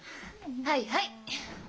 はいはい。